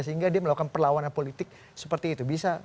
sehingga dia melakukan perlawanan politik seperti itu